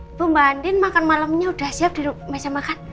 ibu mbak andin makan malamnya udah siap di meja makan